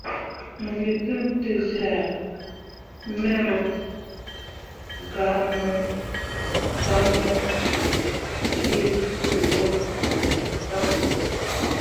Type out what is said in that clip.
Mo gǝ tǝ̃ǝ̃ tezyah mero, gah no ke suu bo cok dan.